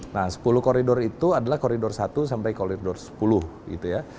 nah sepuluh koridor itu adalah koridor satu sampai koridor sepuluh gitu ya